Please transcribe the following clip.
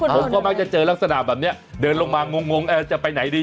ผมก็มักจะเจอลักษณะแบบนี้เดินลงมางงจะไปไหนดี